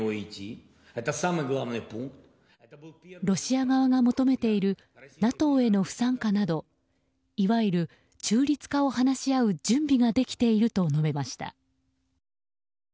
ロシア側が求めているＮＡＴＯへの不参加などいわゆる中立化を話し合う準備ができていると述べました。